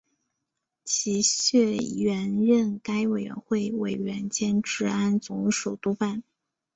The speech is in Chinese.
齐燮元任该委员会委员兼治安总署督办。